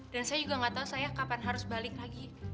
dan saya juga gak tahu saya kapan harus balik lagi